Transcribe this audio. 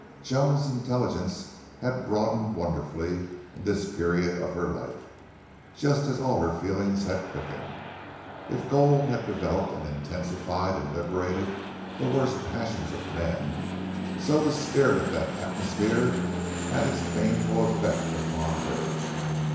Joan's intelligence had broadened wonderfully in this period of her life, just as all her feelings had quickened. If gold had developed and intensified and liberated the worst passions of men, so the spirit of that atmosphere had its baneful effect upon her.